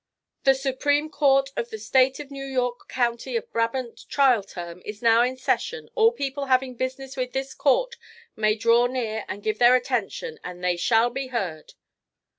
The Supreme Court of the State of New York County of Brabant trial term is now in session all people having business with this court may draw near and give their attention and they shall be heard."